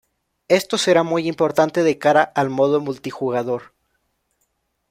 Esto será muy importante de cara al modo multijugador.